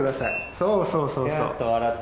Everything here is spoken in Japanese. そうそうそうそう。